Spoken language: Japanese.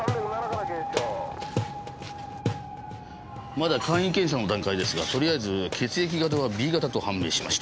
まだ簡易検査の段階ですがとりあえず血液型はＢ型と判明しました。